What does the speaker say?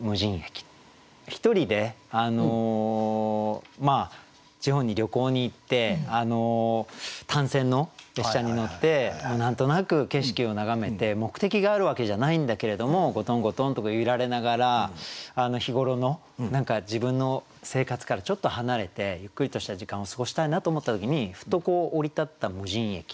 １人で地方に旅行に行って単線の列車に乗って何となく景色を眺めて目的があるわけじゃないんだけれどもゴトンゴトンと揺られながら日頃の自分の生活からちょっと離れてゆっくりとした時間を過ごしたいなと思った時にふと降り立った無人駅。